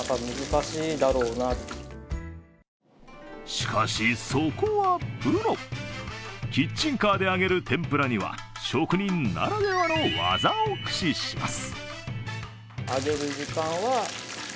しかしそこはプロ、キッチンカーで揚げる天ぷらには職人ならではの技を駆使します。